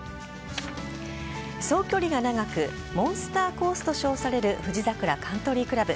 総距離が長くモンスターコースと称される富士桜カントリー倶楽部。